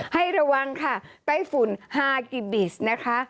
ให้ระวังค่ะใกล้ฝุ่น๕กิบิตรนะคะ